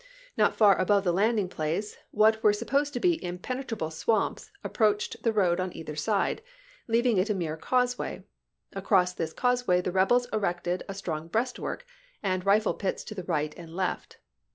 Not far above the landing place what were supposed to be impenetrable swamps approached the road on either side, leaving it a mere cause way. Across this causeway the rebels erected a strong breastwork and rifle pits to the right and left.